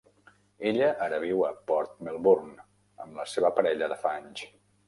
Ella ara viu a Port Melbourne amb la seva parella de fa anys.